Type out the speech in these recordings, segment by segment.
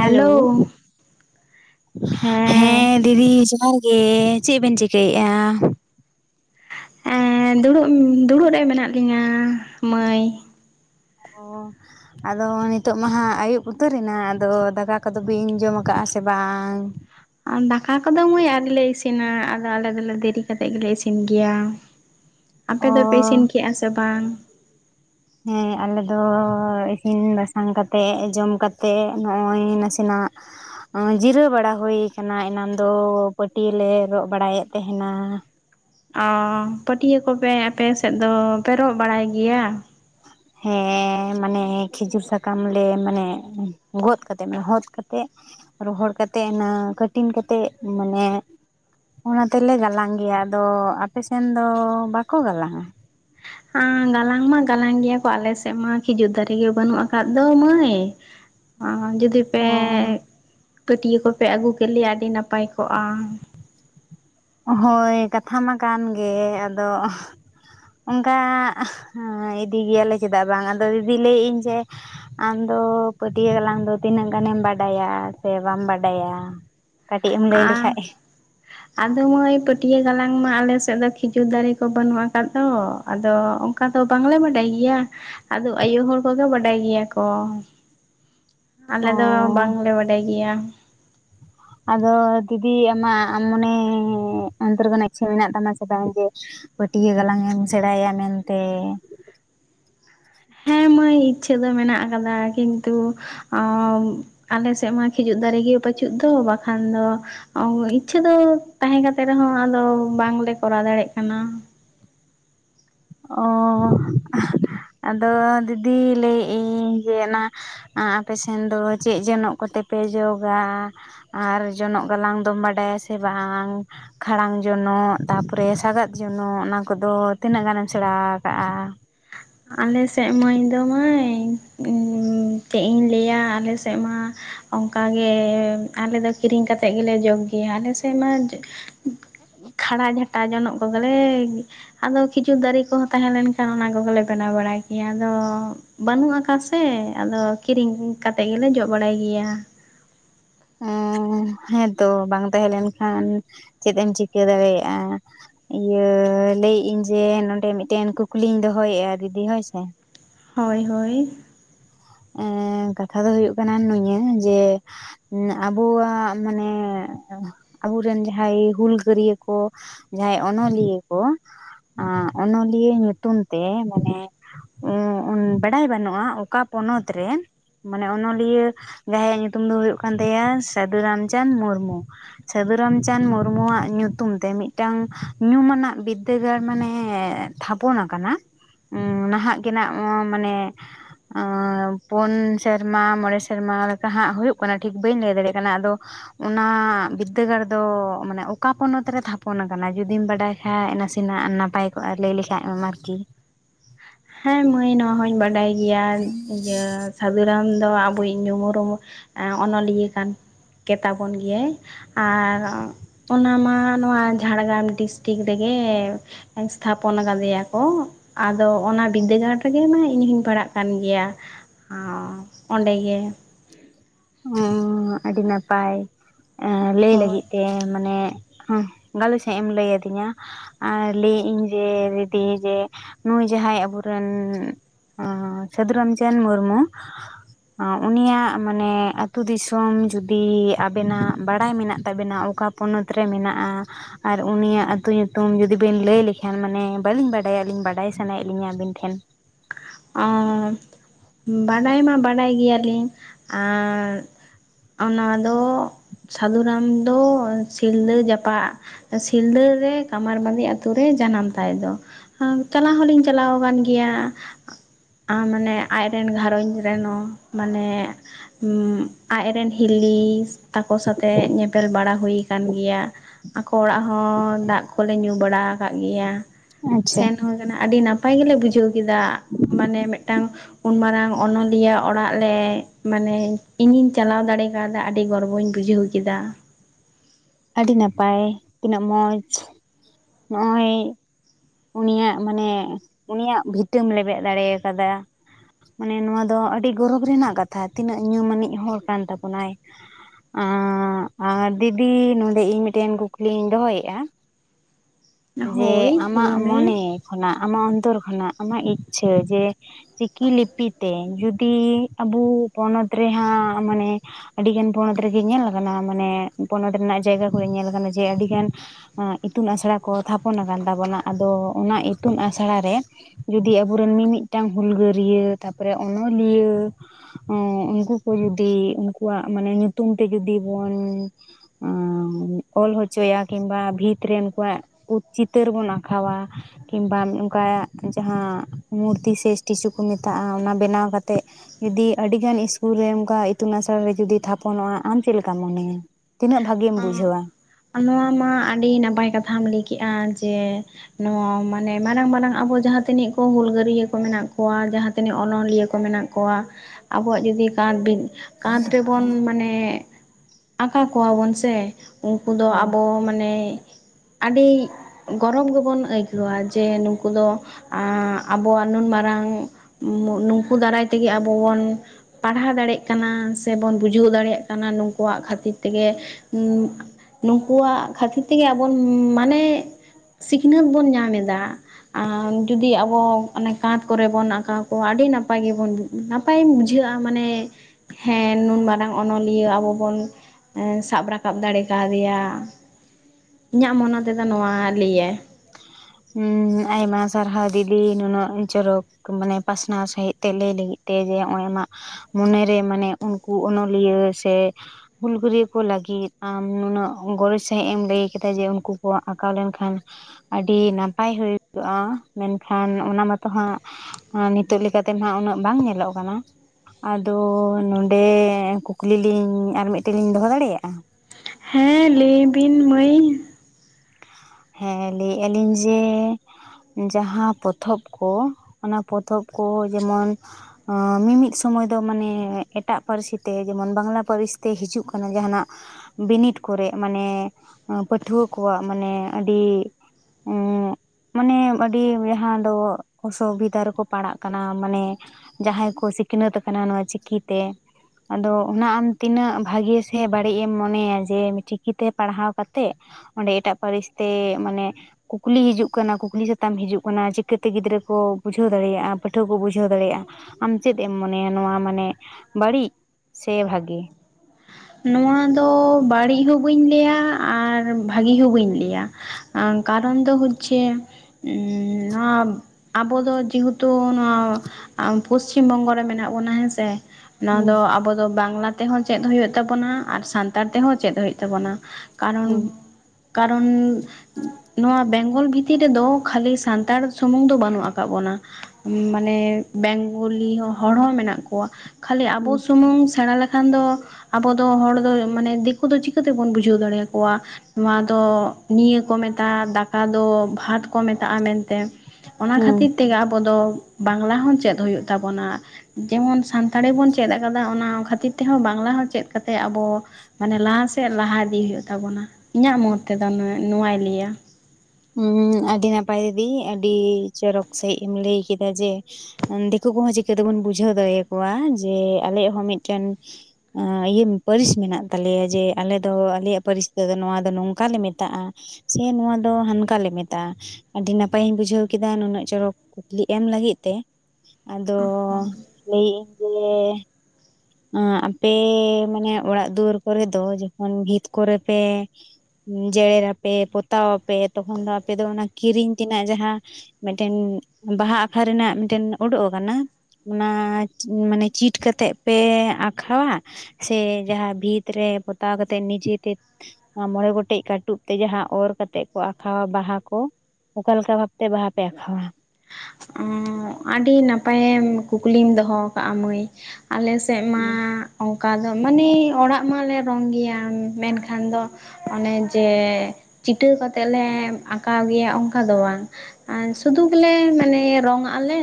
Hello ᱦᱮᱸ ᱫᱤᱫᱤ ᱡᱚᱦᱟᱨ ᱜᱮ ᱪᱮᱫ ᱵᱮᱱ ᱪᱤᱠᱟᱹᱭᱮᱜᱼᱟ ᱦᱮᱸ ᱫᱩᱲᱩᱵ ᱫᱩᱲᱩᱵ ᱨᱮ ᱢᱮᱱᱟᱜ ᱞᱤᱧᱟᱹ ᱢᱟᱹᱭ ᱚᱻ ᱟᱫᱚ ᱱᱤᱛᱚᱜ ᱢᱟ ᱦᱟᱸᱜ ᱟᱹᱭᱩᱵ ᱩᱛᱟᱹᱨᱮᱱᱟ ᱟᱫᱚ ᱫᱟᱠᱟ ᱠᱚᱫᱚ ᱵᱤᱱ ᱡᱚᱢ ᱠᱟᱜᱼᱟ ᱥᱮ ᱵᱟᱝ ᱟᱨ ᱫᱟᱠᱟ ᱠᱚᱫᱚ ᱢᱟᱹᱭ ᱟᱹᱣᱨᱤ ᱞᱮ ᱤᱥᱤᱱᱟ ᱟᱫᱚ ᱟᱞᱮ ᱫᱚᱞᱮ ᱫᱮᱨᱤ ᱠᱟᱛᱮᱫ ᱜᱮᱞᱮ ᱤᱥᱤᱱ ᱜᱮᱭᱟ ᱟᱯᱮ ᱚ ᱫᱚᱯᱮ ᱤᱥᱤᱱ ᱠᱮᱜᱼᱟ ᱥᱮ ᱵᱟᱝ ᱦᱮᱸ ᱟᱞᱮ ᱫᱚ ᱤᱥᱤᱱ ᱵᱟᱥᱟᱝ ᱠᱟᱛᱮᱫ ᱡᱚᱢ ᱠᱟᱛᱮᱫ ᱱᱚᱜᱼᱚᱭ ᱱᱟᱥᱮᱱᱟᱜ ᱮᱸᱻ ᱡᱤᱨᱟᱹᱣ ᱵᱟᱲᱟ ᱦᱩᱭ ᱠᱟᱱᱟ ᱮᱱᱟᱱ ᱫᱚ ᱯᱟᱹᱴᱤᱭᱟᱹ ᱞᱮ ᱨᱚᱜ ᱵᱟᱲᱟᱭᱮᱫ ᱛᱮᱸᱦᱮᱱᱟ ᱚᱻᱚ ᱯᱟᱹᱴᱭᱟᱹ ᱠᱚᱯᱮ ᱟᱯᱮ ᱥᱮᱫ ᱫᱚ ᱯᱮ ᱨᱚᱜ ᱵᱟᱲᱟᱭ ᱜᱮᱭᱟ? ᱦᱮᱸ ᱢᱟᱱᱮ ᱠᱷᱤᱡᱩᱨ ᱥᱟᱠᱟᱢ ᱞᱮ ᱢᱟᱱᱮ ᱜᱚᱫ ᱠᱟᱛᱮᱜ ᱢᱟᱱᱮ ᱦᱚᱫ ᱠᱟᱛᱮᱜ ᱨᱚᱦᱚᱲ ᱠᱟᱛᱮᱜ ᱚᱱᱟ ᱠᱟᱴᱤᱱ ᱠᱟᱛᱮᱜ ᱢᱟᱱᱮ ᱚᱱᱟ ᱛᱮᱞᱮ ᱜᱟᱞᱟᱝ ᱜᱮᱭᱟ ᱟᱫᱚ ᱟᱯᱮᱥᱱ ᱫᱚ ᱵᱟᱠᱚ ᱜᱟᱞᱟᱝᱟ? ᱟᱸ ᱜᱟᱞᱟᱝ ᱢᱟ ᱜᱟᱞᱟᱝ ᱜᱮᱭᱟ ᱠᱚ ᱟᱞᱮ ᱥᱮᱫ ᱢᱟ ᱠᱷᱤᱡᱩᱨ ᱫᱟᱨᱮ ᱜᱮ ᱵᱟᱹᱱᱩᱜ ᱟᱠᱟᱫ ᱫᱚ ᱢᱟᱹᱭ᱾ ᱚᱸ ᱡᱩᱫᱤ ᱯᱮ ᱚᱸ ᱯᱟᱹᱴᱭᱟᱹ ᱠᱚᱯᱮ ᱟᱹᱜᱩ ᱠᱮᱞᱮᱭᱟ ᱟᱹᱰᱤ ᱱᱟᱯᱟᱭ ᱠᱚᱜᱼᱟ᱾ [inaudible] ᱦᱳᱭ ᱠᱟᱛᱷᱟ ᱢᱟ ᱠᱟᱱ ᱜᱮ ᱟᱫᱚ ᱚᱱᱠᱟ ᱤᱫᱤ ᱜᱮᱭᱟᱞᱮ ᱪᱮᱫᱟᱜ ᱵᱟᱝ ᱟᱫᱚ ᱤᱫᱤ ᱞᱟᱹᱭᱮᱫ ᱤᱧ ᱡᱮ ᱟᱢᱫᱚ ᱯᱟᱹᱴᱭᱟᱹ ᱜᱟᱞᱟᱝ ᱫᱚ ᱛᱤᱱᱟᱹᱜ ᱜᱟᱱᱮᱢ ᱵᱟᱰᱟᱭᱟ ᱥᱮ ᱵᱟᱢ ᱵᱟᱰᱟᱭᱟ? ᱠᱟᱹᱴᱤᱡ ᱮᱢ ᱞᱟᱹᱭ ᱟᱨ ᱞᱮᱠᱷᱟᱡ ᱟᱫᱚ ᱢᱟᱹᱭ ᱯᱟᱹᱴᱭᱟᱹ ᱜᱟᱞᱟᱝ ᱢᱟ ᱟᱞᱮ ᱥᱮᱫ ᱫᱚ ᱠᱷᱤᱡᱩᱨ ᱫᱟᱨᱮ ᱠᱚ ᱵᱟᱹᱱᱩᱜ ᱟᱠᱟᱫ ᱫᱚ ᱟᱫᱚ ᱚᱱᱠᱟ ᱫᱚ ᱵᱟᱝᱞᱮ ᱵᱟᱰᱟᱭ ᱜᱮᱭᱟ ᱟᱫᱚ ᱟᱭᱩ ᱦᱚᱲ ᱠᱚᱜᱮ ᱵᱟᱰᱟᱭ ᱜᱮᱭᱟ ᱠᱚ ᱚ ᱟᱞᱮ ᱫᱚ ᱵᱟᱝᱞᱮ ᱵᱟᱰᱟᱭ ᱜᱮᱭᱟ᱾ ᱟᱫᱚ ᱫᱤᱫᱤ ᱟᱢᱟᱜᱢ ᱢᱚᱱᱮ ᱚᱱᱛᱚᱨ ᱠᱷᱚᱱᱟᱜ ᱤᱪᱷᱟᱹ ᱢᱮᱱᱟᱜ ᱛᱟᱢᱟ ᱥᱮ ᱵᱟᱝ ᱡᱮ ᱯᱟᱹᱴᱭᱟᱹ ᱜᱟᱞᱟᱝ ᱮᱢ ᱥᱮᱬᱟᱭᱟ ᱢᱮᱱᱛᱮ? ᱦᱮᱸ ᱢᱟᱹᱭ ᱤᱪᱪᱷᱟᱹ ᱫᱚ ᱢᱮᱱᱟᱜ ᱟᱠᱟᱫᱟ ᱠᱤᱱᱛᱩ ᱚᱸᱻ ᱟᱞᱮ ᱥᱮᱫ ᱢᱟ ᱠᱷᱤᱡᱩᱜ ᱫᱟᱨᱮᱜ ᱜᱮ ᱵᱟᱪᱩᱜ ᱫᱚ ᱵᱟᱠᱷᱟᱱ ᱫᱚ ᱚᱸᱻᱚᱸ ᱤᱪᱪᱷᱟᱹ ᱫᱚ ᱛᱟᱦᱮᱸ ᱠᱟᱛᱮ ᱨᱮᱦᱚᱸ ᱟᱫᱚ ᱵᱟᱝᱞᱮ ᱠᱚᱨᱟᱣ ᱫᱟᱲᱭᱟᱜ ᱠᱟᱱᱟ᱾ ᱚᱸ ᱟᱫᱚ ᱫᱤᱫᱤ ᱞᱟᱹᱭᱮᱫ ᱟᱹᱧ ᱡᱮ ᱚᱱᱟ ᱟᱸ ᱟᱯᱮ ᱥᱮᱱ ᱫᱚ ᱪᱮᱫ ᱡᱚᱱᱚᱜ ᱠᱚᱛᱮ ᱯᱮ ᱡᱚᱜᱼᱟ? ᱟᱨ ᱡᱚᱱᱚᱜ ᱜᱟᱞᱟᱝ ᱫᱚᱢ ᱵᱟᱰᱟᱭᱟ ᱥᱮ ᱵᱟᱝ? ᱠᱷᱟᱲᱟᱝ ᱡᱚᱱᱚᱜ ᱛᱟᱯᱚᱨᱮ ᱥᱟᱜᱟᱫ ᱡᱚᱱᱚᱜ ᱚᱱᱟ ᱠᱚᱫᱚ ᱛᱤᱱᱟᱹᱜ ᱜᱟᱱᱮᱢ ᱥᱮᱬᱟ ᱟᱠᱟᱜᱼᱟ? ᱟᱞᱮ ᱥᱮᱫ ᱢᱟ ᱤᱧ ᱫᱚ ᱢᱟᱹᱭ ᱪᱮᱫ ᱤᱧ ᱞᱟᱹᱭᱟ ᱟᱞᱮ ᱥᱮᱫ ᱢᱟ ᱚᱝᱠᱟᱜᱮ ᱟᱞᱮ ᱫᱚ ᱠᱤᱨᱤᱧ ᱠᱟᱛᱮᱜ ᱜᱮᱞᱮ ᱡᱚᱜᱽ ᱜᱮᱭᱟ ᱟᱞᱮ ᱥᱮᱫ ᱢᱟ ᱠᱷᱟᱲᱟ ᱡᱷᱟᱴᱟ ᱡᱚᱱᱚᱜ ᱠᱚᱜᱮᱞᱮ ᱟᱫᱚ ᱠᱷᱤᱩᱨ ᱫᱟᱨᱮ ᱠᱚᱦᱚᱸ ᱛᱟᱦᱮᱸ ᱞᱮᱱ ᱠᱷᱟᱱ ᱚᱱᱟ ᱠᱚᱜᱮᱞᱮ ᱵᱮᱱᱟᱣ ᱵᱟᱲᱟᱭ ᱠᱮᱭᱟ ᱟᱫᱚ ᱵᱟᱹᱱᱩᱜ ᱟᱠᱟᱫ ᱥᱮ ᱟᱫᱚ ᱠᱤᱨᱤᱧ ᱠᱟᱛᱮᱜ ᱜᱮᱞᱮ ᱡᱚᱜ ᱵᱟᱲᱟᱭ ᱜᱮᱭᱟ᱾ ᱮᱸᱻ ᱦᱮᱸᱛᱚ ᱵᱟᱝ ᱛᱟᱦᱮᱸ ᱞᱮᱱᱠᱷᱟᱱ ᱪᱮᱫ ᱮᱢ ᱪᱤᱠᱟᱹ ᱫᱟᱲᱮᱭᱟᱜᱼᱟ? ᱤᱭᱟᱹ ᱞᱟᱹᱭᱮᱫ ᱟᱹᱧ ᱡᱮ ᱱᱚᱸᱰᱮ ᱢᱤᱫᱴᱮᱱ ᱠᱩᱠᱞᱤᱧ ᱫᱚᱦᱚᱭᱮᱫᱼᱟ ᱫᱤᱫᱤ ᱦᱳᱭᱥᱮ? ᱦᱳᱭ ᱦᱳᱭ ᱮᱸᱻᱮᱸ ᱠᱟᱛᱷᱟ ᱫᱚ ᱦᱩᱭᱩᱜ ᱠᱟᱱᱟ ᱱᱤᱭᱟᱝ ᱡᱮ ᱟᱵᱚᱣᱟᱜ ᱢᱟᱱᱮ ᱟᱵᱚᱨᱮᱱ ᱡᱟᱦᱟᱸᱭ ᱦᱩᱞᱜᱟᱹᱨᱭᱟᱹ ᱠᱚ ᱡᱟᱦᱟᱸᱭ ᱚᱱᱚᱞᱤᱭᱟᱹ ᱠᱚ ᱚᱱᱚᱞᱤᱭᱟᱹ ᱧᱩᱛᱩᱢ ᱛᱮ ᱢᱟᱱᱮ [unintelligible] ᱵᱟᱰᱟᱭ ᱵᱟᱹᱱᱩᱜᱼᱟ ᱚᱠᱟ ᱯᱚᱱᱚᱛ ᱨᱮ ᱢᱟᱱᱮ ᱚᱱᱚᱞᱤᱭᱟᱹ ᱡᱟᱦᱟᱸᱭᱟᱜ ᱧᱩᱛᱩᱢ ᱫᱚ ᱦᱩᱭᱩᱜ ᱠᱟᱱ ᱛᱟᱭᱟ ᱥᱟᱹᱫᱷᱩ ᱨᱟᱢᱪᱟᱸᱫᱽ ᱢᱩᱨᱢᱩ᱿ ᱥᱟᱹᱫᱷᱩ ᱨᱟᱢᱪᱟᱸᱫᱽ ᱢᱩᱨᱢᱩᱣᱟᱜ ᱧᱩᱛᱩᱢ ᱛᱮ ᱢᱤᱫᱴᱟᱝ ᱧᱩᱢᱟᱱᱟᱜ ᱵᱤᱫᱽᱫᱟᱹᱜᱟᱲ ᱢᱟᱱᱮ ᱛᱷᱟᱯᱚᱱ ᱟᱠᱟᱱᱟ ᱱᱟᱦᱟᱜ ᱜᱮᱱᱟᱜ ᱢᱟᱱᱮ ᱚᱸ ᱯᱩᱱ ᱥᱮᱨᱢᱟ ᱢᱚᱬᱮ ᱥᱮᱨᱢᱟ ᱞᱮᱠᱟ ᱦᱟᱸᱜ ᱦᱩᱭᱩᱜ ᱠᱟᱱᱟ ᱴᱷᱤᱠ ᱵᱟᱹᱧ ᱞᱟᱹᱭ ᱫᱟᱲᱮᱭᱟᱜ ᱠᱟᱱᱟ ᱟᱫᱚ ᱚᱱᱟ ᱵᱤᱫᱫᱟᱹᱜᱟᱲ ᱫᱚ ᱢᱟᱱᱮ ᱚᱠᱟ ᱯᱚᱱᱚᱛ ᱨᱮ ᱛᱷᱟᱯᱚᱱ ᱟᱠᱟᱱᱟ ᱡᱩᱫᱤᱢ ᱵᱟᱰᱟᱭ ᱦᱮᱸ ᱱᱟᱥᱮᱱᱟᱜ ᱱᱟᱯᱟᱭ ᱠᱚᱜᱼᱟ ᱞᱟᱹᱭ ᱞᱮᱠᱷᱟᱡ ᱟᱨᱠᱤ᱾ ᱦᱮᱸ ᱢᱟᱹᱭ ᱱᱚᱶᱟ ᱦᱚᱧ ᱵᱟᱰᱟᱭ ᱜᱮᱭᱟ ᱤᱭᱟᱹ ᱥᱟᱹᱫᱷᱩ ᱨᱟᱢ ᱫᱚ ᱟᱵᱚᱭᱤᱡ ᱧᱩᱢ ᱩᱨᱩᱢ ᱚᱱᱚᱞᱤᱭᱟᱹ ᱠᱟᱱ ᱜᱮᱛᱟ ᱵᱚᱱ ᱜᱮᱭᱟᱭ᱾ ᱟᱨ ᱚᱱᱟᱢᱟ ᱱᱚᱶᱟ ᱡᱷᱟᱲᱜᱽᱨᱟᱢ ᱰᱤᱥᱴᱤᱠ ᱨᱮᱜᱮ ᱮᱥᱛᱷᱟᱯᱚᱱ ᱟᱠᱟᱫᱮᱭᱟ ᱠᱚ ᱟᱫᱚ ᱚᱱᱟ ᱵᱤᱫᱽᱫᱟᱹᱜᱟᱲ ᱨᱮᱜᱮ ᱢᱟ ᱤᱧ ᱦᱚᱧ ᱯᱟᱲᱦᱟᱜ ᱠᱟᱱ ᱜᱮᱭᱟ ᱚᱸᱰᱮ ᱜᱮ᱾ ᱩᱸᱻᱩᱸ ᱟᱹᱰᱤ ᱱᱟᱯᱟᱭ ᱮᱸ ᱞᱟᱹᱭ ᱦᱳᱭ ᱞᱟᱹᱜᱤᱫ ᱛᱮ ᱢᱟᱱᱮ ᱦᱮᱸ ᱜᱟᱞᱚᱪᱜ ᱮᱢ ᱞᱟᱹᱭ ᱟᱹᱫᱤᱧᱟ [unintelligible] ᱟᱨ ᱞᱟᱹᱭᱮᱫ ᱟᱹᱧ ᱡᱮ ᱫᱤᱫᱤ ᱡᱮ ᱱᱩᱭ ᱡᱟᱦᱟᱸᱭ ᱟᱵᱚᱨᱮᱱ ᱦᱚᱸ ᱦᱚᱸ ᱥᱟᱫᱷᱩ ᱨᱟᱢᱪᱟᱸᱫᱽ ᱢᱩᱨᱢᱩ ᱩᱱᱤᱭᱟᱜ ᱢᱟᱱᱮ ᱟ ᱟᱹᱛᱩᱳ ᱫᱤᱥᱚᱢ ᱡᱩᱫᱤ ᱟᱵᱮᱱᱟᱜ ᱵᱟᱲᱟᱭ ᱢᱮᱱᱟᱜ ᱛᱟᱵᱮᱱᱟ ᱚᱠᱟ ᱯᱚᱱᱚᱛ ᱨᱮ ᱢᱮᱱᱟᱜᱼᱟ᱾ ᱟᱨ ᱩᱱᱤᱭᱟᱜ ᱟᱹᱛᱩ ᱧᱩᱛᱩᱢ ᱡᱩᱫᱤ ᱵᱤᱱ ᱞᱟᱹᱭ ᱞᱮᱠᱷᱟᱱ ᱢᱟᱱᱮ ᱵᱟᱹᱞᱤᱧ ᱵᱟᱰᱟᱭᱟ ᱟᱹᱞᱤᱧ ᱵᱟᱰᱟᱭ ᱥᱟᱱᱟᱭᱮᱫ ᱞᱤᱧᱟᱹ ᱟᱹᱵᱤᱱ ᱴᱷᱮᱱ? [unintelligible] ᱵᱟᱰᱟᱭ ᱢᱟ ᱵᱟᱰᱟᱭ ᱜᱮᱭᱟᱞᱤᱧ ᱟᱨ [unintelligible] ᱚᱱᱟ ᱫᱚ ᱥᱟᱹᱫᱷᱩ ᱨᱟᱢ ᱫᱚ ᱥᱤᱞᱫᱟᱹ ᱡᱟᱯᱟᱜ᱾ ᱥᱤᱞᱫᱟᱹ ᱨᱮ ᱠᱟᱢᱟᱨ ᱵᱟᱫᱤ ᱟᱛᱳ ᱨᱮ ᱡᱟᱱᱟᱢ ᱛᱟᱭ ᱫᱚ ᱪᱟᱞᱟᱣ ᱦᱚᱞᱤᱧ ᱪᱟᱞᱟᱣ ᱟᱠᱟᱱ ᱜᱮᱭᱟ᱾ ᱢᱟᱱᱮ ᱟᱡᱨᱮᱱ ᱜᱷᱟᱨᱚᱸᱡᱽ ᱨᱮᱱ ᱦᱚᱸ ᱢᱟᱱᱮ [unintelligible] ᱟᱡ ᱨᱮᱱ ᱦᱤᱞᱤ ᱟᱠᱚ ᱥᱟᱛᱮᱜ ᱧᱮᱯᱮᱞ ᱵᱟᱲᱟ ᱦᱩᱭ ᱟᱠᱟᱱ ᱜᱮᱭᱟ᱾ ᱟᱠᱚ ᱚᱲᱟᱜ ᱦᱚᱸ ᱫᱟᱜ ᱠᱚᱞᱮ ᱧᱩ ᱵᱟᱲᱟ ᱟᱠᱟᱫ ᱜᱮᱭᱟ ᱟᱪᱪᱷᱟ ᱥᱮᱱ ᱦᱩᱭ ᱟᱠᱟᱱᱟ ᱟᱹᱰᱤ ᱱᱟᱯᱟᱭ ᱱᱟᱯᱟᱭ ᱜᱮᱞᱮ ᱵᱩᱡᱷᱟᱹᱣ ᱠᱮᱫᱟ ᱢᱟᱱᱮ ᱢᱤᱫᱴᱟᱝ ᱩᱱ ᱢᱟᱨᱟᱝ ᱚᱱᱚᱞᱤᱭᱟᱹ ᱚᱲᱟᱜ ᱞᱮ ᱢᱟᱱᱮ ᱤᱧᱤᱧ ᱪᱟᱞᱟᱣ ᱫᱟᱲᱮ ᱠᱟᱣᱫᱟ ᱟᱹᱰᱤ ᱜᱚᱨᱵᱚᱧ ᱵᱩᱡᱷᱟᱹᱣᱫᱟ᱿ ᱪᱮᱫᱟᱜ ᱟᱹᱰᱤ ᱱᱟᱯᱟᱭ ᱛᱤᱱᱟᱹᱜ ᱢᱚᱡᱽ᱾ ᱱᱚᱜᱼᱚᱭ ᱩᱱᱤᱭᱟᱜ ᱢᱟᱱᱮ ᱩᱱᱤᱭᱟᱜ ᱵᱷᱤᱛᱟᱹᱢ ᱞᱮᱵᱮᱫ ᱫᱟᱲᱮ ᱟᱠᱟᱫᱟ᱿ ᱢᱟᱱᱮ ᱱᱚᱣᱟ ᱫᱚ ᱟᱹᱰᱤ ᱜᱚᱨᱚᱵᱽ ᱨᱮᱱᱟᱜ ᱠᱟᱛᱷᱟ ᱛᱤᱱᱟᱹᱜ ᱧᱩᱢ ᱟᱱᱤᱡ ᱦᱚᱲ ᱠᱟᱱ ᱛᱟᱵᱚᱱᱟᱭ᱾ [unintelligible] ᱫᱤᱫᱤ ᱱᱚᱸᱰᱮ ᱤᱧ ᱢᱤᱫᱴᱮᱱ ᱠᱩᱠᱞᱤᱧ ᱫᱚᱦᱚᱭᱮᱫᱼᱟ ᱡᱮ ᱦᱳᱭ ᱟᱢᱟᱜ ᱞᱟᱹᱭ ᱢᱮ ᱢᱚᱱᱮ ᱠᱷᱚᱱᱟᱜ ᱟᱢᱟᱜ ᱚᱱᱛᱚᱨ ᱠᱷᱚᱱᱟᱜ ᱟᱢᱟᱜ ᱤᱪᱪᱷᱟᱹ ᱡᱮ ᱪᱤᱠᱤ ᱞᱤᱯᱤ ᱛᱮ ᱡᱩᱫᱤ ᱟᱵᱚ ᱯᱚᱱᱚᱛ ᱨᱮᱦᱟᱸ ᱢᱟᱱᱮ ᱟᱹᱰᱤᱜᱟᱱ ᱯᱚᱱᱚᱛ ᱨᱮᱜᱮ ᱧᱮᱞ ᱟᱠᱟᱱᱟ ᱢᱟᱱᱮ ᱯᱚᱱᱚᱛ ᱨᱮᱱᱟᱜ ᱡᱟᱭᱜᱟ ᱠᱚᱨᱮ ᱧᱮᱞ ᱟᱠᱟᱱᱟ ᱡᱮ ᱟᱹᱰᱤᱜᱟᱱ ᱚᱜ ᱤᱛᱩᱱ ᱟᱥᱲᱟ ᱠᱚ ᱛᱷᱟᱯᱚᱱ ᱟᱠᱟᱱ ᱛᱟᱵᱚᱱᱟ ᱟᱫᱚ ᱚᱱᱟ ᱤᱛᱩᱱ ᱟᱥᱲᱟᱨᱮ ᱡᱚᱫᱤ ᱟᱵᱚᱨᱮᱱ ᱢᱤᱢᱤᱫᱴᱟᱝ ᱦᱩᱞᱜᱟᱹᱨᱭᱟᱹ ᱛᱟᱨᱯᱚᱨᱮ ᱚᱱᱚᱞᱤᱭᱟᱹ [unintelligible] ᱩᱱᱠᱩ ᱠᱚ ᱡᱚᱫᱤ ᱩᱱᱠᱩᱣᱟᱜ ᱢᱟᱱᱮ ᱧᱩᱛᱩᱢ ᱛᱮ ᱡᱚᱫᱤ ᱵᱚᱱ [unintelligible] ᱟ ᱚᱞ ᱦᱚᱪᱚᱭᱟ ᱠᱤᱱᱵᱟ ᱵᱷᱤᱛᱨᱮ ᱩᱱ ᱠᱚᱣᱟ ᱩᱫ ᱪᱤᱛᱟᱹᱨ ᱵᱚᱱ ᱟᱸᱠᱟᱣᱟ᱾ ᱠᱤᱢᱵᱟ ᱚᱱᱠᱟ ᱡᱟᱦᱟᱸ ᱢᱩᱨᱛᱤ ᱥᱮ ᱴᱥᱤᱮᱪᱩ ᱠᱚ ᱢᱮᱛᱟᱜᱼᱟ ᱚᱱᱟ ᱵᱮᱱᱟᱣ ᱠᱟᱛᱮᱫ ᱡᱩᱫᱤ ᱟᱹᱰᱤᱜᱟᱱ ᱤᱥᱠᱩᱞ ᱨᱮ ᱚᱱᱠᱟ ᱤᱛᱩᱱ ᱟᱥᱲᱟᱮ ᱡᱚᱫᱤ ᱛᱷᱟᱯᱚᱱᱚᱜᱼᱟ ᱟᱢ ᱪᱮᱫᱠᱟᱢ ᱢᱚᱱᱮᱭᱟ ᱛᱤᱱᱟᱹᱜ ᱵᱷᱟᱜᱤᱢ ᱵᱩᱡᱷᱟᱹᱣᱟ᱾ ᱱᱚᱣᱟ ᱢᱟ ᱟᱹᱰᱤ ᱱᱟᱯᱟᱭ ᱠᱟᱛᱷᱟᱢ ᱞᱟᱹᱭ ᱠᱮᱫᱮᱜᱼᱟ ᱡᱮ ᱱᱚᱣᱟ ᱢᱟᱱᱮ ᱢᱟᱨᱟᱝ ᱢᱟᱨᱟᱝ ᱟᱵᱚ ᱡᱟᱦᱟᱸ [unintelligible] ᱛᱤᱱᱟᱹᱜ ᱠᱚ ᱦᱩᱞᱜᱟᱹᱨᱭᱟᱹ ᱠᱚ ᱢᱮᱱᱟᱜ ᱠᱚᱣᱟ ᱡᱟᱦᱟᱸ ᱛᱤᱱᱟᱹᱜ ᱚᱱᱚᱞᱤᱭᱟᱹ ᱠᱚ ᱢᱮᱱᱟᱜ ᱠᱚᱣᱟ [unintelligible] ᱣᱟ ᱟᱵᱚᱣᱟᱜ ᱡᱩᱫᱤ ᱠᱟᱸᱛ ᱵᱤᱱ ᱠᱟᱸᱛ ᱨᱮᱵᱚᱱ ᱢᱟᱱᱮ ᱟᱸᱠᱟᱣ ᱠᱚᱣᱟᱵᱚᱱ ᱥᱮ ᱩᱱᱠᱩ ᱫᱚ ᱦᱳᱭ ᱟᱵᱚ ᱢᱟᱱᱮ [unintelligible] ᱟᱹᱰᱤ ᱜᱚᱨᱚᱢ ᱜᱮᱵᱚᱱ ᱟᱹᱭᱠᱟᱹᱣᱟ ᱡᱮ ᱱᱩᱠᱩ ᱫᱚ [unintelligible] ᱟᱵᱚᱣᱟᱜ ᱱᱩᱱ ᱢᱟᱨᱟᱝ ᱱᱩᱠᱩ ᱫᱟᱨᱟᱭ ᱛᱮᱜᱮ ᱟᱵᱚ ᱵᱚᱱ ᱯᱟᱲᱦᱟᱣ ᱫᱟᱲᱮᱭᱟᱜ ᱠᱟᱱᱟ ᱥᱮᱵᱚᱱ ᱵᱩᱡᱷᱟᱹᱣ ᱫᱟᱲᱮᱭᱟᱜ ᱠᱟᱱᱟ ᱱᱩᱠᱩᱣᱟᱜ ᱠᱷᱟᱹᱛᱤᱨ ᱛᱮᱜᱮ ᱱᱩᱠᱩᱣᱟᱜ [unintelligible] ᱠᱷᱟᱹᱛᱤᱨ ᱛᱮᱜᱮ ᱟᱵᱚᱱ ᱢᱟᱱᱮ ᱥᱤᱠᱷᱱᱟᱹᱛ ᱵᱚᱱ ᱧᱟᱢ ᱮᱫᱟ᱿ ᱟᱨ ᱡᱩᱫᱤ ᱟᱵᱚ ᱚᱱᱮ ᱠᱟᱸᱛ ᱠᱚᱨᱮ ᱵᱚᱱ ᱟᱸᱠᱟᱣ ᱠᱚᱣᱟ ᱟᱹᱰᱤ ᱱᱟᱯᱟᱭ ᱜᱮᱵᱚᱱ ᱱᱟᱯᱟᱭᱢ ᱵᱩᱡᱷᱟᱹᱜᱼᱟ ᱢᱟᱱᱮ ᱦᱮᱸ ᱱᱩᱱ ᱢᱟᱨᱟᱝ ᱚᱱᱚᱞᱤᱭᱟᱹ ᱟᱵᱚ ᱵᱚᱱ ᱥᱟᱵ ᱨᱟᱠᱟᱵ ᱨᱟᱠᱟᱵ ᱫᱟᱲᱮ ᱠᱟᱣᱫᱮᱭᱟ ᱤᱧᱟᱹᱜ ᱢᱚᱱᱮ ᱛᱮᱫᱚ ᱱᱚᱣᱟ ᱞᱟᱹᱭᱟᱭ [unintelligible] ᱟᱭᱢᱟ ᱥᱟᱨᱦᱟᱣ ᱫᱤᱫᱤ ᱱᱩᱱᱟᱹᱜ ᱪᱚᱨᱚᱠ ᱠᱩ ᱢᱟᱱᱮ ᱯᱟᱥᱱᱟᱣ ᱥᱟᱹᱦᱤᱡ ᱛᱮ ᱞᱟᱹᱭ ᱞᱟᱹᱜᱤᱫ ᱛᱮ ᱡᱮ ᱦᱚᱸᱜᱼᱚᱭ ᱢᱟ ᱾ ᱢᱚᱱᱮ ᱨᱮ ᱢᱟᱱᱮ ᱩᱱᱠᱩ ᱚᱱᱚᱞᱤᱭᱟᱹ ᱥᱮ ᱦᱩᱞᱜᱟᱹᱨᱭᱟᱹ ᱠᱚ ᱞᱟᱹᱜᱤᱫ ᱟᱢ ᱱᱩᱱᱟᱹᱜ ᱜᱚᱨᱚᱡ ᱥᱟᱺᱦᱤᱡ ᱮᱢ ᱞᱟᱹᱭ ᱠᱟᱫᱟ ᱡᱮ ᱩᱱᱠᱩ ᱠᱚ ᱟᱸᱠᱟ ᱞᱮᱱᱠᱷᱟᱱ ᱾ ᱟᱹᱰᱤ ᱱᱟᱯᱟᱭ ᱦᱩᱭ ᱠᱚᱜᱼᱟ ᱢᱮᱱᱠᱷᱟᱱ ᱚᱱᱟ ᱢᱟᱛᱚ ᱦᱟᱸᱜ ᱟᱸ ᱱᱤᱛᱚᱜ ᱞᱮᱠᱟ ᱛᱮ ᱱᱟᱱᱟᱜ ᱩᱱᱟᱹᱜ ᱵᱟᱝ ᱧᱮᱞᱚᱜ ᱠᱟᱱᱟ ᱾ ᱟᱫᱚ ᱱᱚᱰᱮ ᱠᱩᱠᱞᱤ ᱞᱤᱧ ᱟᱨ ᱢᱤᱫᱴᱮᱱ ᱞᱤᱧ ᱫᱚᱦᱚ ᱫᱟᱲᱮᱭᱟᱜᱼᱟ? ᱦᱮᱸ ᱞᱟᱹᱭ ᱵᱤᱱ ᱢᱟᱹᱭ ᱾ ᱦᱮᱸ ᱞᱟᱹᱭ ᱮᱼᱟᱞᱤᱧ ᱡᱮ ᱡᱟᱦᱟᱸ ᱯᱚᱛᱷᱚᱵᱽ ᱠᱚ ᱚᱱᱟ ᱯᱚᱛᱷᱚᱵᱽ ᱠᱚ ᱡᱮᱢᱚᱱ ᱟᱸ ᱢᱤ-ᱢᱤᱫ ᱥᱚᱢᱚᱭ ᱫᱚ ᱢᱟᱱᱮ ᱮᱴᱟᱜ ᱯᱟᱹᱨᱥᱤ ᱛᱮ ᱡᱮᱢᱚᱱ ᱵᱟᱝᱞᱟ ᱯᱟᱨᱤᱥ ᱛᱮ ᱦᱤᱡᱩᱜ ᱠᱟᱱᱟ ᱡᱟᱦᱟᱱᱟᱜ ᱾ ᱵᱤᱱᱤᱰ ᱠᱚᱨᱮ ᱢᱟᱱᱮ ᱯᱟᱹᱴᱷᱩᱣᱟᱹ ᱠᱚᱣᱟᱜ ᱢᱟᱱᱮ ᱟᱹᱰᱤ ᱩᱸᱜ ᱢᱟᱱᱮ ᱟᱹᱰᱤ ᱡᱟᱦᱟᱸ ᱫᱚ ᱚᱥᱚᱵᱤᱫᱷᱟ ᱨᱮᱠᱚ ᱯᱟᱲᱟᱜ ᱠᱟᱱᱟ ᱢᱟᱱᱮ ᱡᱟᱦᱟᱸᱭ ᱠᱚ ᱥᱤᱠᱷᱱᱟᱹᱛ ᱟᱠᱟᱱᱟ ᱱᱚᱣᱟ ᱪᱤᱠᱤ ᱛᱮ ᱾ ᱟᱫᱚ ᱚᱱᱟ ᱟᱢ ᱛᱤᱱᱟᱹᱜ ᱵᱷᱟᱜᱮ ᱥᱮ ᱵᱟᱹᱲᱤᱡ ᱮᱢ ᱢᱚᱱᱮᱭᱟ ᱡᱮ ᱪᱤᱠᱤ ᱛᱮ ᱯᱟᱲᱦᱟᱣ ᱠᱟᱛᱮᱜ ᱾ ᱚᱸᱰᱮ ᱮᱴᱟᱜ ᱯᱟᱹᱨᱤᱥ ᱛᱮ ᱢᱟᱱᱮ ᱠᱩᱠᱞᱤ ᱦᱤᱡᱩᱜ ᱠᱟᱱᱟ ᱠᱩᱠᱞᱤ ᱥᱟᱛᱟᱢ ᱦᱤᱡᱩᱜ ᱠᱟᱱᱟ ᱪᱤᱠᱟᱹ ᱛᱮ ᱜᱤᱫᱽᱨᱟᱹ ᱠᱚ ᱵᱩᱡᱷᱟᱹᱣ ᱫᱟᱲᱮᱭᱟᱜᱼᱟ ᱯᱟᱹᱴᱷᱩᱣᱟᱹ ᱠᱚ ᱵᱩᱡᱷᱟᱹᱣ ᱫᱟᱲᱮᱭᱟᱜᱼᱟ ᱾ ᱟᱢ ᱪᱮᱫ ᱮᱢ ᱢᱚᱱᱮᱭᱟ ᱱᱚᱣᱟ ᱢᱟᱱᱮ ᱵᱟᱹᱲᱤᱡ ᱥᱮ ᱵᱷᱟᱜᱤ? ᱱᱚᱣᱟ ᱫᱚ ᱵᱟᱹᱲᱤᱡ ᱦᱚᱸ ᱵᱟᱹᱧ ᱞᱟᱹᱭᱟ ᱟᱨ ᱵᱷᱟᱹᱜᱤ ᱦᱚᱸ ᱵᱟᱹᱧ ᱞᱟᱹᱭᱟ ᱾ ᱟᱸ ᱠᱟᱨᱚᱱ ᱫᱚ ᱦᱚᱪᱪᱷᱮ ᱩᱢ ᱱᱚᱣᱟ ᱟᱵᱚ ᱫᱚ ᱡᱮᱦᱚᱛᱩ ᱱᱚᱣᱟ ᱯᱚᱥᱪᱤᱢ ᱵᱚᱝᱜᱚ ᱨᱮ ᱢᱮᱱᱟᱜ ᱵᱚᱱᱟ ᱦᱮᱸ ᱥᱮ? ᱱᱚᱣᱟ ᱫᱚ ᱦᱩᱸ ᱟᱵᱚ ᱫᱚ ᱵᱟᱝᱞᱟ ᱛᱮᱦᱚᱸ ᱪᱮᱫ ᱦᱩᱭᱩᱜ ᱛᱟᱵᱚᱱᱟ ᱟᱨ ᱥᱟᱱᱛᱟᱲ ᱛᱮᱦᱚᱸ ᱪᱮᱫ ᱦᱩᱭᱩᱜ ᱛᱟᱵᱚᱱᱟ ᱾ ᱠᱟᱨᱚᱱ ᱦᱩᱸ ᱠᱟᱨᱚᱱ ᱱᱚᱣᱟ ᱵᱮᱝᱜᱚᱞ ᱵᱷᱤᱛᱤᱨ ᱨᱮᱫᱚ ᱠᱷᱟᱹᱞᱤ ᱥᱟᱱᱛᱟᱲ ᱥᱩᱢᱩᱝ ᱫᱚ ᱵᱟᱹᱱᱩᱜ ᱟᱠᱟᱜ ᱵᱚᱱᱟ ᱾ ᱢᱟᱱᱮ ᱵᱮᱝᱜᱚᱞᱤ ᱦᱚᱲ ᱦᱚᱸ ᱢᱮᱱᱟᱜ ᱠᱚᱣᱟ ᱾ ᱠᱷᱟᱹᱞᱤ ᱟᱵᱚ ᱦᱩᱸ ᱥᱩᱢᱩᱝ ᱥᱮᱬᱟ ᱞᱮᱠᱷᱟᱱ ᱫᱚ ᱾ ᱟᱵᱚ ᱫᱚ ᱦᱚᱲ ᱫᱚ ᱢᱟᱱᱮ ᱫᱤᱠᱩ ᱫᱚ ᱪᱤᱠᱟᱹ ᱛᱮᱵᱚᱱ ᱵᱩᱡᱷᱟᱹᱣ ᱫᱟᱲᱮ ᱟᱠᱚᱣᱟ ᱾ ᱱᱚᱣᱟ ᱫᱚ ᱱᱤᱭᱟᱹ ᱠᱚ ᱢᱮᱛᱟᱜᱼᱟ ᱫᱟᱠᱟ ᱫᱚ ᱵᱷᱟᱛ ᱠᱚ ᱢᱮᱛᱟᱜᱼᱟ ᱢᱮᱱᱛᱮ ᱾ ᱚᱱᱟ ᱦᱩᱸ ᱠᱷᱟᱹᱛᱤᱨ ᱛᱮᱜᱮ ᱟᱵᱚ ᱫᱚ ᱵᱟᱝᱞᱟ ᱦᱚᱸ ᱪᱮᱫ ᱦᱩᱭᱩᱜ ᱛᱟᱵᱚᱱᱟ ᱡᱮᱢᱚᱱ ᱥᱟᱱ ᱛᱟᱲᱤ ᱵᱚᱱ ᱪᱮᱫ ᱟᱠᱟᱫᱟ ᱚᱱᱟ ᱠᱷᱟᱹᱛᱤᱨ ᱛᱮᱦᱚᱸ ᱵᱟᱝᱞᱟ ᱦᱚᱸ ᱪᱮᱫ ᱠᱟᱛᱮ ᱟᱵᱚ ᱾ ᱢᱟᱱᱮ ᱞᱟᱦᱟ ᱥᱮᱫ ᱞᱟᱦᱟ ᱤᱫᱤᱭ ᱦᱩᱭᱩᱜ ᱛᱟᱵᱚᱱᱟ ᱤᱧᱟᱹᱜ ᱢᱚᱦᱚᱛ ᱛᱮᱫᱚ ᱱᱚ-ᱱᱚᱣᱟᱭ ᱞᱟᱹᱭᱟ ᱾ ᱦᱩᱸ ᱟᱹᱰᱤ ᱱᱟᱯᱟᱭ ᱜᱮ ᱫᱤ ᱟᱹᱰᱤ ᱪᱚᱨᱚᱠ ᱥᱟᱺᱦᱤᱡ ᱮᱢ ᱞᱟᱹᱭ ᱠᱮᱫᱟ ᱡᱮ ᱫᱤᱠᱩ ᱠᱚᱦᱚᱸ ᱪᱤᱠᱟᱹ ᱛᱮᱵᱚᱱ ᱵᱩᱡᱷᱟᱹᱣ ᱫᱟᱭᱮ ᱟᱠᱚᱣᱟ ᱡᱮ ᱟᱞᱮᱭᱟᱜ ᱦᱚᱸ ᱢᱤᱫᱴᱮᱱ ᱟᱸ ᱤᱭᱟᱹ ᱯᱟᱹᱨᱤᱥ ᱢᱮᱱᱟᱜ ᱛᱟᱞᱮᱭᱟ ᱡᱮ ᱟᱞᱮ ᱫᱚ ᱟᱞᱮᱭᱟᱜ ᱯᱟᱹᱨᱤᱥ ᱛᱮᱫᱚ ᱱᱚᱣᱟ ᱫᱚ ᱱᱚᱝᱠᱟ ᱞᱮ ᱢᱮᱛᱟᱜᱼᱟ ᱾ ᱥᱮ ᱱᱚᱣᱟ ᱫᱚ ᱦᱟᱱ ᱠᱟ ᱞᱮ ᱢᱮᱛᱟᱜᱼᱟ ᱟᱹᱰᱤ ᱱᱟᱯᱟᱭ ᱤᱧ ᱵᱩᱡᱷᱟᱹᱣ ᱠᱮᱫᱟ ᱱᱩᱱᱟᱹᱜ ᱪᱚᱨᱚᱠ ᱠᱩᱠᱞᱤ ᱮᱢ ᱞᱟᱹᱜᱤᱫ ᱛᱮ ᱾ ᱟᱫᱚ ᱞᱟᱹᱭ ᱮᱼᱤᱧ ᱡᱮ [unintelligible] ᱟᱯᱮ ᱢᱟᱱᱮ ᱚᱲᱟᱜ ᱫᱩᱣᱟᱹᱨ ᱠᱚᱨᱮ ᱫᱚ ᱡᱚᱠᱷᱚᱱ ᱵᱷᱤᱛ ᱠᱚᱨᱮ ᱯᱮ ᱡᱮᱲᱮᱨ ᱟᱯᱮ ᱯᱚᱛᱟᱣ ᱟᱯᱮ ᱛᱚᱠᱷᱚᱱ ᱫᱚ ᱟᱯᱮ ᱫᱚ ᱚᱱᱟ ᱠᱤᱨᱤᱧ ᱛᱮᱱᱟᱜ ᱡᱟᱦᱟᱸ ᱢᱮᱴᱮᱝ ᱵᱟᱦᱟ ᱟᱠᱷᱟᱣ ᱨᱮᱱᱟᱜ ᱢᱤᱫᱴᱮᱱ ᱳᱰᱳᱜ ᱟᱠᱟᱱᱟ ᱾ ᱚᱱᱟ ᱢᱟᱱᱮ ᱪᱤᱴ ᱠᱟᱛᱮᱜ ᱯᱮ ᱟᱸᱠᱷᱟᱣᱟ ᱥᱮ ᱡᱟᱦᱟᱸ ᱵᱷᱤᱛ ᱨᱮ ᱯᱚᱛᱟᱣ ᱠᱟᱛᱮ ᱱᱤᱡᱮ ᱛᱮ ᱾ ᱢᱚᱬᱮ ᱜᱚᱴᱮᱡ ᱠᱟᱹᱴᱩᱵ ᱛᱮᱜᱤᱦᱟᱜ ᱚᱨ ᱠᱟᱛᱮᱜ ᱠᱚ ᱟᱸᱠᱷᱟᱣᱟ ᱵᱟᱦᱟ ᱠᱚ ᱾ ᱚᱠᱟ ᱞᱮᱠᱟ ᱵᱷᱟᱵ ᱛᱮ ᱵᱟᱦᱟ ᱯᱮ ᱟᱸᱠᱷᱟᱣᱟ? ᱟᱸᱻᱜ ᱾ ᱟᱹᱰᱤ ᱱᱟᱯᱟᱭᱮᱢ ᱠᱩᱠᱞᱤᱢ ᱫᱚᱦᱚ ᱟᱠᱟᱜᱼᱟ ᱢᱟᱹᱭ ᱟᱞᱮ ᱥᱮᱜ ᱢᱟ ᱚᱱᱠᱟ ᱫᱚ ᱢᱟᱱᱮ ᱚᱲᱟᱜ ᱢᱟᱞᱮ ᱨᱚᱝ ᱜᱮᱭᱟ ᱢᱮᱱᱠᱷᱟᱱ ᱫᱚ ᱚᱱᱮ ᱡᱮ ᱪᱤᱴᱟᱹᱣ ᱠᱟᱛᱮᱜ ᱞᱮ ᱟᱸᱠᱟᱣ ᱜᱮᱭᱟ ᱚᱱᱠᱟ ᱫᱚ ᱵᱟᱝ ᱾ ᱟᱸ ᱥᱩᱫᱷᱩ ᱜᱮᱞᱮ ᱢᱟᱱᱮ ᱨᱚᱝ ᱟᱞᱮ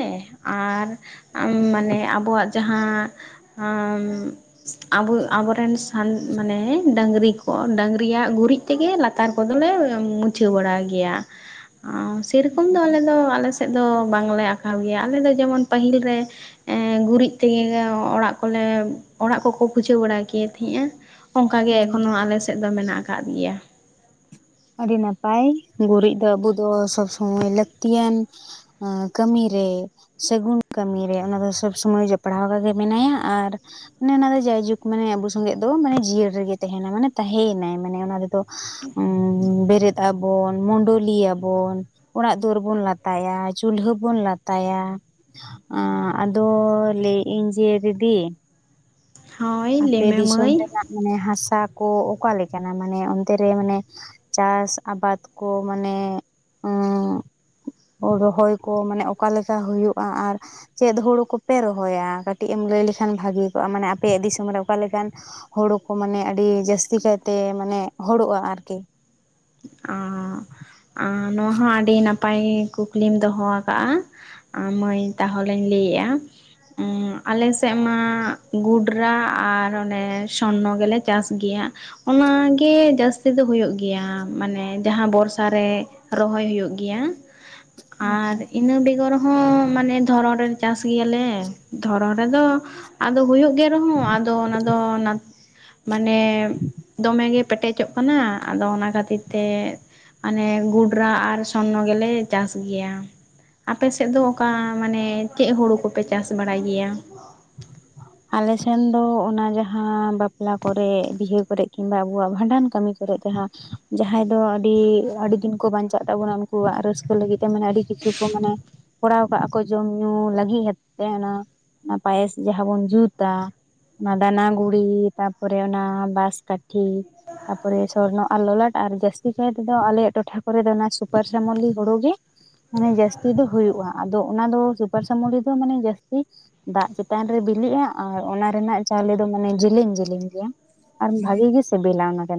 ᱟᱨ ᱢᱟᱱᱮ ᱟᱵᱚᱣᱟᱜ ᱡᱟᱦᱟᱸ ᱟᱢ ᱟᱵᱚ ᱟᱵᱚ ᱨᱮᱱ ᱥᱟᱱ ᱢᱟᱱᱮ ᱰᱟᱹᱝᱨᱤ ᱠᱚ ᱰᱟᱹᱝᱨᱤᱭᱟᱜ ᱜᱩᱨᱤᱡ ᱛᱮᱜᱮ ᱞᱟᱛᱟᱨ ᱠᱚᱫᱚᱞᱮ ᱢᱩᱪᱷᱟᱹᱣ ᱵᱟᱲᱟᱭ ᱜᱮᱭᱟ ᱥᱮᱨᱚᱠᱚᱢ ᱫᱚ ᱟᱞᱮ ᱫᱚ ᱟᱞᱮ ᱥᱮᱫ ᱫᱚ ᱵᱟᱝᱞᱮ ᱟᱸᱠᱟᱣ ᱜᱮᱭᱟ ᱟᱞᱮ ᱫᱚ ᱡᱮᱢᱚᱱ ᱯᱟᱹᱦᱤᱞ ᱨᱮ ᱮᱜ ᱜᱩᱨᱤᱡ ᱛᱮᱜᱮ ᱚᱲᱟᱜ ᱠᱚᱞᱮ ᱚᱲᱟᱜ ᱠᱚᱠᱚ ᱯᱩᱡᱟᱹᱣ ᱵᱟᱲᱟᱭ ᱜᱮ ᱛᱟᱦᱮᱜᱼᱟ ᱚᱱᱠᱟ ᱜᱮ ᱦᱩᱸ ᱮᱠᱷᱚᱱᱚ ᱟᱞᱮ ᱥᱮᱫ ᱫᱚ ᱢᱮᱱᱟᱜ ᱟᱠᱟᱫ ᱜᱮᱭᱟ ᱟᱹᱰᱤ ᱱᱟᱯᱟᱭ ᱜᱩᱨᱤᱡ ᱫᱚ ᱟᱵᱚ ᱫᱚ ᱥᱚᱵᱽ ᱥᱚᱢᱚᱭ ᱞᱟᱹᱛᱤᱭᱟᱱ ᱟ ᱠᱟᱹᱢᱤ ᱨᱮ ᱥᱟᱹᱜᱩᱱ ᱠᱟᱹᱢᱤ ᱨᱮ ᱚᱱᱟ ᱫᱚ ᱥᱚᱵᱽ ᱥᱚᱢᱚᱭ ᱡᱚᱯᱲᱟᱣ ᱟᱠᱟ ᱜᱮ ᱢᱮᱱᱟᱭᱟ ᱟᱨ ᱚᱱᱮ ᱚᱱᱟ ᱫᱚ ᱡᱟᱭᱡᱩᱜᱽ ᱢᱟᱱᱮ ᱟᱵᱚ ᱥᱚᱸᱜᱮᱫ ᱫᱚ ᱢᱟᱱᱮ ᱡᱤᱭᱟᱹᱲ ᱨᱮ ᱜᱮ ᱛᱟᱦᱮᱱᱟ ᱢᱟᱱᱮ ᱛᱟᱦᱮᱸᱭᱮᱱᱟᱭ ᱢᱟᱱᱮ ᱚᱱᱟ ᱨᱮᱫᱚ ᱦᱩᱸ ᱵᱮᱨᱮᱫ ᱟᱵᱚᱱ ᱢᱩᱰᱟᱹᱞᱤᱭᱟ ᱵᱚᱱ ᱚᱲᱟᱜ ᱫᱩᱣᱟᱹᱨ ᱵᱚᱱ ᱞᱟᱛᱟᱭᱟ ᱪᱩᱞᱦᱟᱹ ᱵᱚᱱ ᱞᱟᱛᱟᱭᱟ ᱟᱸ ᱟᱫᱚ ᱞᱟᱹᱭ ᱮᱫ ᱤᱧ ᱡᱮ ᱫᱤᱫᱤ ᱦᱳᱭ ᱟᱯᱮ ᱞᱟᱹᱭᱢᱮ ᱫᱤᱥᱚᱢ ᱢᱟᱹᱭ ᱨᱮᱱᱟᱜ ᱢᱟᱱᱮ ᱦᱟᱥᱟ ᱠᱚ ᱚᱠᱟ ᱞᱮᱠᱟᱱᱟ ᱢᱟᱱᱮ ᱚᱱᱛᱮ ᱨᱮ ᱢᱟᱱᱮ ᱪᱟᱥ ᱟᱵᱟᱫ ᱠᱚ ᱢᱟᱱᱮ ᱩᱸᱻᱜ ᱨᱚᱦᱚᱭ ᱠᱚ ᱢᱟᱱᱮ ᱚᱠᱟ ᱞᱮᱠᱟ ᱦᱩᱭᱩᱜ-ᱟ ᱟᱨ ᱪᱮᱫ ᱦᱩᱲᱩ ᱠᱩᱯᱮ ᱨᱚᱦᱚᱭᱟ ᱠᱟᱹᱴᱤᱡ ᱮᱢ ᱞᱟᱹᱭ ᱞᱮᱠᱷᱟᱱ ᱵᱷᱟᱹᱜᱤ ᱠᱚᱜ-ᱟ ᱢᱟᱱᱮ ᱟᱯᱮᱭᱟᱜ ᱫᱤᱥᱚᱢ ᱨᱮ ᱚᱠᱟ ᱞᱮᱠᱟᱱ ᱦᱳᱲᱩ ᱠᱚ ᱢᱟᱱᱮ ᱟᱹᱰᱤ ᱡᱟᱹᱥᱛᱤ ᱠᱟᱭᱛᱮ ᱢᱟᱱᱮ ᱦᱳᱲᱩᱜ-ᱟ ᱟᱨᱠᱤ ᱚᱸ ᱟᱸ ᱱᱚᱣᱟ ᱦᱚᱸ ᱟᱹᱰᱤ ᱱᱟᱯᱟᱭ ᱠᱩᱠᱞᱤᱢ ᱫᱚᱦᱚ ᱟᱠᱟᱜ-ᱟ ᱟ ᱢᱟᱹᱭ ᱛᱟᱦᱚᱞᱮᱧ ᱞᱟᱹᱭᱮᱫ-ᱟ ᱟᱸ ᱟᱞᱮ ᱥᱮᱫ ᱢᱟ ᱜᱚᱰᱨᱟ ᱟᱨ ᱚᱱᱮ ᱥᱚᱨᱱᱚ ᱜᱮᱞᱮ ᱪᱟᱥ ᱜᱮᱭᱟ ᱚᱱᱟ ᱜᱮ ᱡᱟᱹᱥᱛᱤ ᱫᱚ ᱦᱩᱭᱩᱜ ᱜᱮᱭᱟ᱾ ᱢᱟᱱᱮ ᱡᱟᱦᱟᱸ ᱵᱚᱨᱥᱟ ᱨᱮ ᱨᱚᱦᱚᱭ ᱦᱩᱭᱩᱜ ᱜᱮᱭᱟ ᱟᱪᱪᱷᱟ ᱟᱨ ᱤᱱᱟᱹ ᱵᱮᱜᱚᱨ ᱦᱚᱸ ᱢᱟᱱᱮ ᱫᱷᱚᱨᱚᱱ ᱨᱮ ᱪᱟᱥ ᱜᱮᱭᱟ ᱞᱮ ᱫᱷᱚᱨᱚᱱ ᱨᱮᱫᱚ ᱟᱫᱚ ᱦᱩᱭᱩᱜ ᱜᱮ ᱨᱮᱦᱚᱸ ᱟᱫᱚ ᱚᱱᱟ ᱢᱟᱱᱮ ᱫᱚᱢᱮ ᱜᱮ ᱯᱮᱴᱮᱡᱚᱜ ᱠᱟᱱᱟ ᱟᱫᱚ ᱚᱱᱟ ᱠᱷᱟᱹᱛᱤᱨ ᱛᱮ ᱢᱟᱱᱮ ᱜᱚᱰᱨᱟ ᱟᱨ ᱥᱚᱨᱱᱚ ᱜᱮᱞᱮ ᱪᱟᱥ ᱜᱮᱭᱟ ᱟᱯᱮ ᱥᱮᱫ ᱫᱚ ᱚᱠᱟ ᱢᱟᱱᱮ ᱪᱮᱫ ᱦᱩᱲᱩ ᱠᱚᱯᱮ ᱪᱟᱥ ᱵᱟᱲᱟᱭ ᱜᱮᱭᱟ ᱟᱞᱮ ᱥᱮᱱ ᱫᱚ ᱚᱱᱟ ᱡᱟᱦᱟᱸ ᱵᱟᱯᱞᱟ ᱠᱚᱨᱮ ᱵᱤᱦᱟᱹ ᱠᱚᱨᱮᱜ ᱠᱤᱢᱵᱟ ᱟᱵᱚᱣᱟᱜ ᱵᱷᱟᱸᱰᱟᱱ ᱠᱟᱹᱢᱤ ᱠᱚᱨᱮᱜ ᱡᱟᱦᱟᱸ ᱡᱟᱦᱟᱸᱭ ᱫᱚ ᱟᱹᱰᱤ ᱟᱹᱰᱤ ᱫᱤᱱ ᱠᱚ ᱵᱟᱧᱪᱟᱜ ᱛᱟᱵᱚᱱᱟ ᱩᱱᱠᱩᱣᱟᱜ ᱨᱟᱹᱥᱠᱟᱹ ᱞᱟᱹᱜᱤᱫ ᱛᱮ ᱢᱟᱱᱮ ᱟᱹᱰᱤ ᱠᱤᱪᱷᱩ ᱠᱚ ᱢᱟᱱᱮ ᱠᱚᱨᱟᱣ ᱠᱟᱜ-ᱟ ᱠᱚ ᱡᱚᱢ ᱧᱩ ᱞᱟᱹᱜᱤᱫ ᱦᱮᱛ ᱛᱮᱦᱮᱱᱟ ᱯᱟᱭᱮᱥ ᱡᱟᱦᱟᱸ ᱵᱚᱱ ᱡᱩᱛᱟ ᱚᱱᱟ ᱫᱟᱱᱟ ᱜᱩᱲᱤ ᱛᱟᱨ ᱯᱚᱨᱮ ᱚᱱᱟ ᱵᱟᱥ ᱠᱟᱴᱷᱤ ᱛᱟᱨᱯᱚᱨᱮ ᱥᱚᱨᱱᱚ ᱟᱨ ᱞᱚᱞᱟᱴ ᱟᱨ ᱡᱟᱹᱥᱛᱤ ᱠᱟᱭ ᱛᱮᱫᱚ ᱟᱞᱮᱭᱟᱜ ᱴᱚᱴᱷᱟ ᱠᱚᱨᱮ ᱫᱚ ᱚᱱᱟ ᱥᱩᱯᱟᱨᱥᱟᱢᱚᱞᱤ ᱦᱩᱲᱩ ᱜᱮ ᱢᱟᱱᱮ ᱡᱟᱹᱥᱛᱤ ᱫᱚ ᱦᱩᱭᱩᱜ-ᱟ ᱟᱫᱚ ᱚᱱᱟ ᱫᱚ ᱥᱩᱯᱟᱨᱥᱟᱢᱚᱞᱤ ᱫᱚ ᱢᱟᱱᱮ ᱡᱟᱹᱥᱛᱤ ᱫᱟᱜ ᱪᱮᱛᱟᱱ ᱨᱮ ᱵᱤᱞᱤᱜ-ᱟ ᱟᱨ ᱚᱱᱟ ᱨᱮᱱᱟᱜ ᱪᱟᱣᱞᱮ ᱫᱚ ᱢᱟᱱᱮ ᱡᱮᱞᱤᱧ ᱡᱮᱞᱮᱧ ᱜᱮᱭᱟ ᱟᱨ ᱵᱷᱟᱜᱤ ᱜᱮ ᱥᱤᱵᱤᱞᱟ ᱚᱱᱟ ᱠᱟᱱᱟ